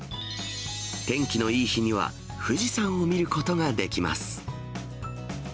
天気のいい日には、富士山を見ることができます。